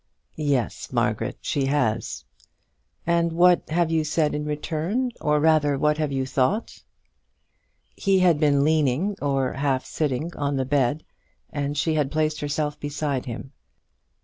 "Yes, Margaret, she has." "And what have you said in return; or rather, what have you thought?" He had been leaning, or half sitting, on the bed, and she had placed herself beside him.